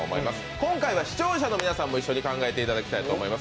今回は視聴者の皆さんも一緒に考えていただきたいと思います。